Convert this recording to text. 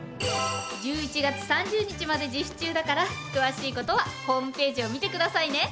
１１月３０日まで実施中だから詳しい事はホームページを見てくださいね。